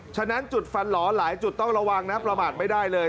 ฉะนั้นจุดฟันหลอหลายจุดต้องระวังนะประมาทไม่ได้เลย